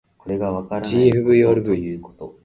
ｇｆｖｒｖ